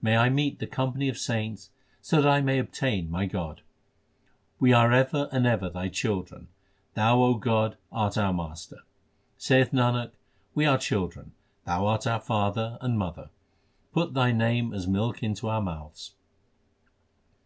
May I meet the company of saints so that I may obtain my God ! We are ever and ever Thy children ; Thou, O God, art our Master. Saith Nanak, we are children ; Thou art our father and mother : put Thy name as milk into our mouths.